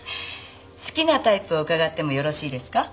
好きなタイプを伺ってもよろしいですか？